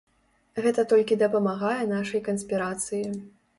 Гэта толькі дапамагае нашай канспірацыі.